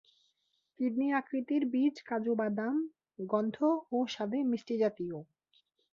Kidney আকৃতির বীজ কাজু বাদাম গন্ধ ও স্বাদে মিষ্টি-জাতীয়।